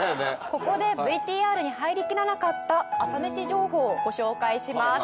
ここでＶＴＲに入りきらなかった朝メシ情報をご紹介します。